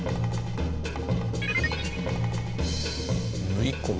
縫い込む。